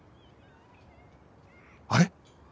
あれ？